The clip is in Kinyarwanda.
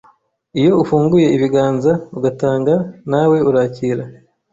iyo ufunguye ibiganza ugatanga nawe urakira